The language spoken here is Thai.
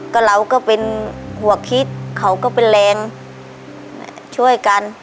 ก็เราก็เป็นหัวคิดเขาก็เป็นแรงช่วยกัน